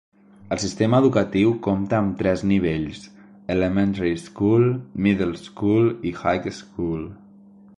El sistema educatiu compta amb tres nivells: 'elementary school', 'middle school' i 'high school'.